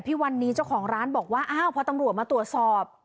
วันนี้เจ้าของร้านบอกว่าอ้าวพอตำรวจมาตรวจสอบ